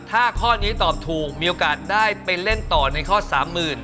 ถ้าข้อนี้ตอบถูกมีโอกาสได้ไปเล่นต่อในข้อสามหมื่น